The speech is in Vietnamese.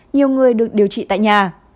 nhiều người được điều trị tại nhà